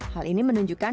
hal ini menunjukkan